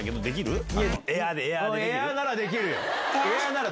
できる？